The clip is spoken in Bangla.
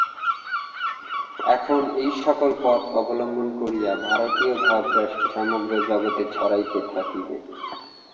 এখন এই-সকল পথ অবলম্বন করিয়া ভারতীয় ভাবরাশি সমগ্র জগতে ছড়াইতে থাকিবে।